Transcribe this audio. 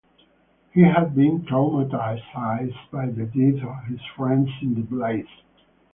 He had been traumatised by the death of his friends in the blaze.